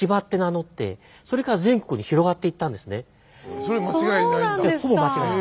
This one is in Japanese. それ間違いないんだ。